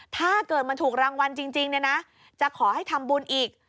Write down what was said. ถ้าเกิดมันถูกรางวัลจริงเนี่ยนะจะขอให้ทำบุญอีก